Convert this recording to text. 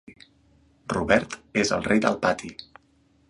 Robert és el rei del pati.